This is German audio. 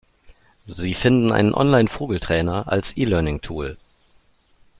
Sie finden einen Online-Vogeltrainer als E-Learning-Tool.